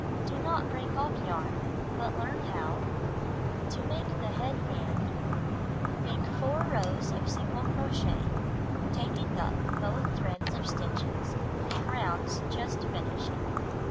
Do not break off yarn, but (L2JEl\70tl learn how fCM?^ To Make the Head Band Make 4 rows of single crochet, taking up both threads of stitches in rounds just finished.